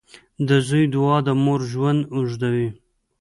• د زوی دعا د مور ژوند اوږدوي.